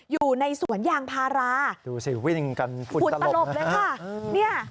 อยู่ในสวนยางพาราดูสิวิ่งกันฝุ่นตลบเลยค่ะ